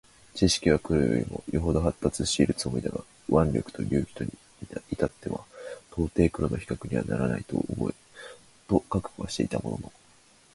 智識は黒よりも余程発達しているつもりだが腕力と勇気とに至っては到底黒の比較にはならないと覚悟はしていたものの、